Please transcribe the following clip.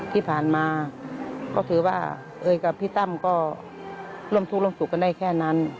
ที่ผ่านมาก็ถือว่าเอ่ยกับพี่ตั้มก็ร่วมทุกข์ร่วมสุขกันได้แค่นั้น